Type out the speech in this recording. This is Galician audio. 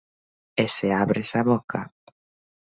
E se abres a boca